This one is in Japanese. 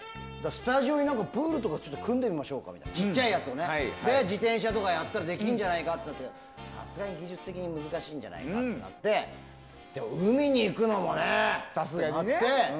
スタジオにプールとか組んでみましょうか、小さいやつ自転車とかやったらできるんじゃないかっていったらさすがに技術的に難しいんじゃないかということで海に行くのも、さすがにね。